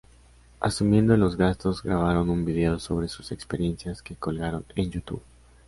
Asumiendo los gastos, grabaron un video sobre sus experiencias que colgaron en YouTube.